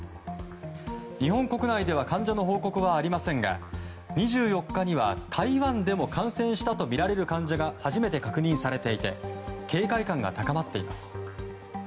日本国内では患者の報告はありませんが２４日には、台湾でも感染したとみられる患者が初めて確認されていて警戒感が高まっています。